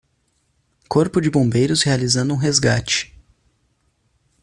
Corpo de bombeiros realizando um resgate.